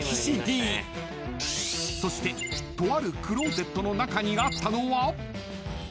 ［そしてとあるクローゼットの中にあったのは］